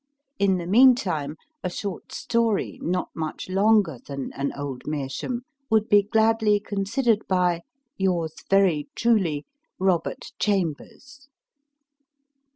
In the meantime, a short story, not much longer than " An Old Meerschaum," would be gladly considered by Yours very truly, ROBERT CHAMBERS.